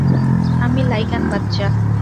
আমি লাইকান বাচ্চা।